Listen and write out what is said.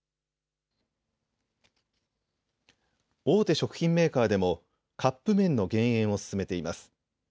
大手食品メーカーでもカップ麺の減塩を進めています。